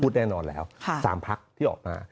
แน่นอนแล้ว๓พักที่ออกมา